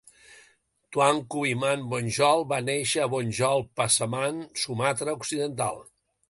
Tuanku Imam Bonjol va néixer a Bonjol, Pasaman, Sumatra Occidental.